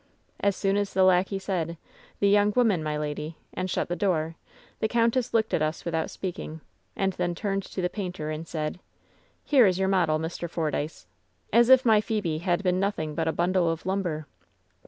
"As soon as the lackey said, 'The young woman, my lady,' and shut the door, the countess looked at us with out speaking, and then turned to the painter, and said, 'Here is your model, Mr Fordyce,' as if my Phebe had been nothing but a bundle of lumber.